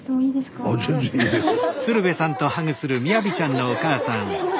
あ全然いいですよ。